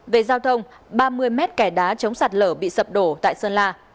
về giao thông ba mươi mét kẻ đá chống sạt lở bị sập đổ tại sơn la